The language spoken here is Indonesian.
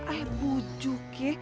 ah bujuk ya